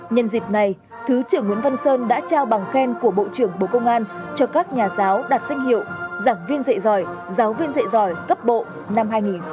nhân dịp này thứ trưởng nguyễn văn sơn đã trao bằng khen của bộ trưởng bộ công an cho các nhà giáo đạt danh hiệu giảng viên dạy giỏi giáo viên dạy giỏi cấp bộ năm hai nghìn hai mươi